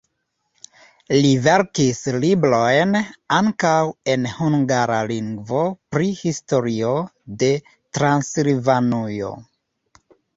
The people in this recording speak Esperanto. Li verkis librojn ankaŭ en hungara lingvo pri historio de Transilvanujo.